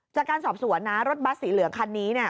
จากการสอบสวนนะรถบัสสีเหลืองคันนี้